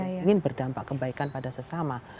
yang ingin berdampak kebaikan pada sesama